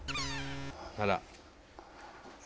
あら。